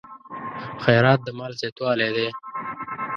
خیرات د مال زیاتوالی دی.